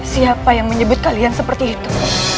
siapa yang menyebut kalian seperti itu